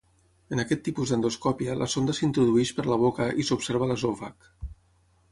En aquest tipus d'endoscòpia la sonda s'introdueix per la boca i s'observa l'esòfag.